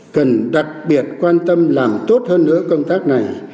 cần đặc biệt quan tâm làm tốt hơn nữa công tác này